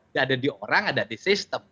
dia ada di orang ada di sistem